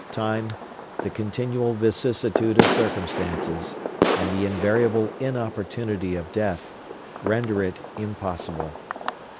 Time, the continual vicissitude of circumstances, and the invariable inopportunity of death, render it impossible.